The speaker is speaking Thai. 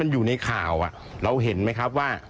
อันนี้ไม่เห็นแต่เขาบอกว่า